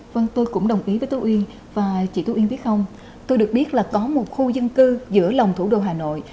vâng tôi cũng đồng ý với tú uyên và chị thu yên biết không tôi được biết là có một khu dân cư giữa lòng thủ đô hà nội